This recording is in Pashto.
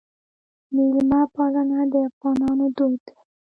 میلمه پالنه د افغانانو دود دی